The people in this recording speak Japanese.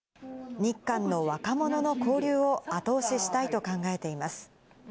日韓の若者の交流を後押ししたいと考えています。